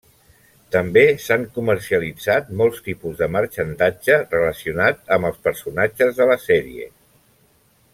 També s'han comercialitzat molts tipus de marxandatge relacionat amb els personatges de la sèrie.